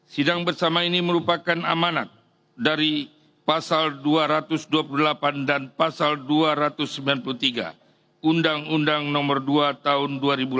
sidang bersama ini merupakan amanat dari pasal dua ratus dua puluh delapan dan pasal dua ratus sembilan puluh tiga undang undang nomor dua tahun dua ribu delapan belas